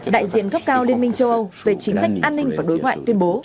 đại diện cấp cao liên minh châu âu về chính sách an ninh và đối ngoại tuyên bố